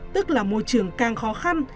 tức là môi trường càng khó khăn